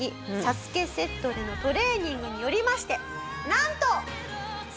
セットでのトレーニングによりましてなんと！